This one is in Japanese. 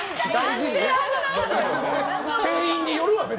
店員によるわ！